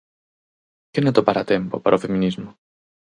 Quen atopará tempo para o feminismo?